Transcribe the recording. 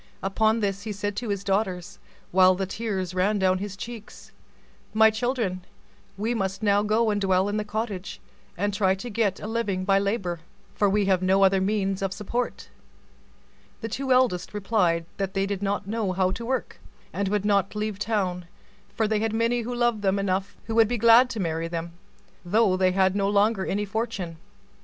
Upon this he said to his daughters, while the tears ran down his cheeks, "My children, we must now go and dwell in the cottage, and try to get a living by labor, for we have no other means of support." The two eldest replied that they did not know how to work, and would not leave town; for they had lovers enough who would be glad to marry them, though they had no longer any fortune.